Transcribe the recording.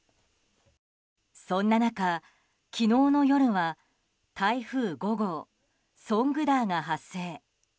そんな中、昨日の夜は台風５号、ソングダーが発生。